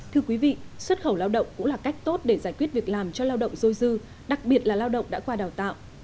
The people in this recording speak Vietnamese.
thưa quý vị xuất khẩu lao động cũng là cách tốt để giải quyết việc làm cho lao động dôi dư đặc biệt là lao động đã qua đào tạo